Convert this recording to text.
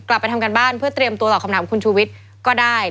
กลับไปทำการบ้านเพื่อเตรียมตัวตอบคำถามคุณชูวิทย์ก็ได้